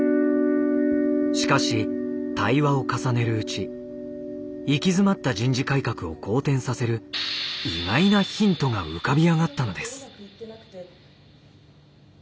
しかし対話を重ねるうち行き詰まった人事改革を好転させる意外なヒントが浮かびあがったのです。